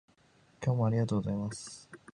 今日はありがとうございます